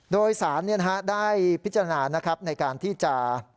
โดยสารเนี่ยนะฮะได้พิจารณานะครับในการที่จะ